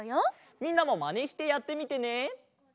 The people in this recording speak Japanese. みんなもまねしてやってみてね。